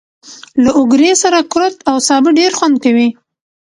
له اوگرې سره کورت او سابه ډېر خوند کوي.